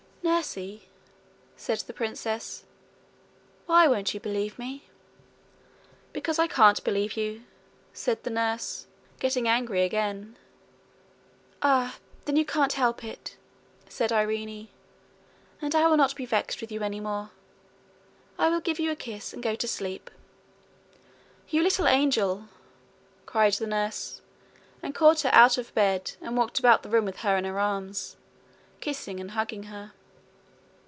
'Nursie,' said the princess, 'why won't you believe me?' 'Because I can't believe you,' said the nurse, getting angry again. 'Ah! then, you can't help it,' said Irene, 'and I will not be vexed with you any more. I will give you a kiss and go to sleep.' 'You little angel!' cried the nurse, and caught her out of bed, and walked about the room with her in her arms, kissing and hugging her.